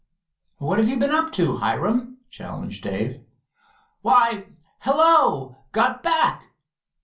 "What have you been up to, Hiram?" challenged Dave. "Why, hello! Got back?